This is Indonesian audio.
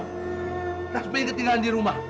tasbih yang ketinggalan di rumah